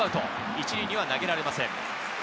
１塁には投げられません。